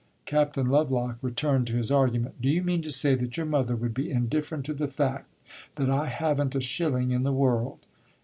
Captain Lovelock returned to his argument. "Do you mean to say that your mother would be indifferent to the fact that I have n't a shilling in the world?"